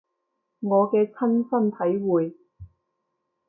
我嘅親身體會